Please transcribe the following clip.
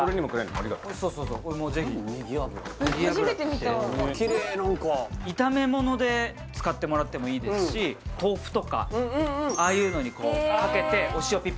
ありがとうそうそうぜひキレイ何か炒め物で使ってもらってもいいですし豆腐とかああいうのにかけてお塩ピピ